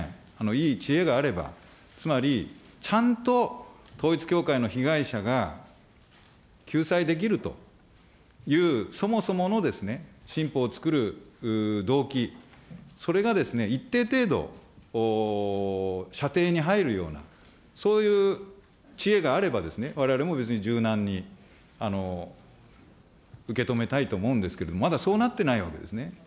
いい知恵があれば、つまり、ちゃんと統一教会の被害者が救済できるという、そもそものですね、新法を作る動機、それが一定程度、射程に入るような、そういう知恵があればですね、われわれも別に柔軟に受け止めたいと思うんですけども、まだそうなってないわけですね。